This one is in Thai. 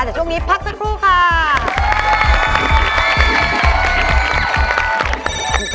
แต่ช่วงนี้พักสักครู่ค่ะ